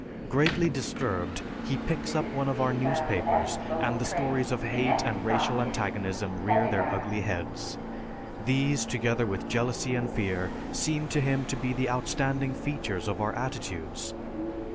Greatly disturbed, he picks up one of our newspapers and the stories of hate and racial antagonism rear their ugly heads. These, together with jealousy and fear, seem to him to be the outstanding features of our attitudes.